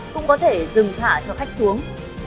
cũng có thể dừng thả cho khách xuống